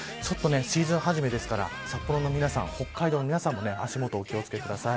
シーズン初めですから札幌の皆さん北海道の皆さんも足元お気を付けください。